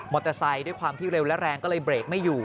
เตอร์ไซค์ด้วยความที่เร็วและแรงก็เลยเบรกไม่อยู่